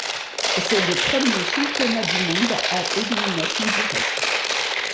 C'est le premier championnat du monde à élimination directe.